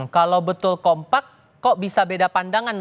kalau betul kompak kok bisa beda pandangan